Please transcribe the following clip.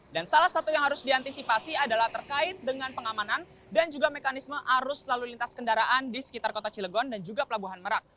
dan salah satu yang harus diantisipasi adalah terkait dengan pengamanan dan juga mekanisme arus lalu lintas kendaraan di sekitar kota cilegon dan juga pelabuhan merak